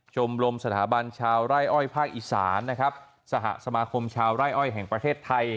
ชมรมสถาบันชาวไร่อ้อยภาคอีสานนะครับสหสมาคมชาวไร่อ้อยแห่งประเทศไทย